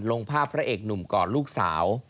ลงภาพพระเอกหนุ่มกอดลูกสาว